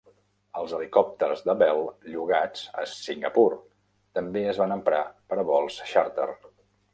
Els helicòpters de Bell llogats a Singapur també es van emprar per a vols xàrter.